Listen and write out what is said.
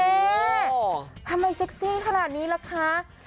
ไอ้ว่าอ๋วทำไมเซ็กซี่ขนาดนี้ละคะ